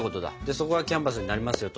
そこがキャンバスになりますよと。